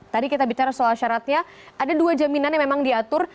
tadi kita bicara soal syaratnya ada dua jaminan yang memang diatur